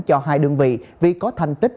cho hai đơn vị vì có thành tích